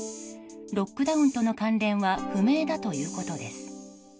ロックダウンとの関連は不明だということです。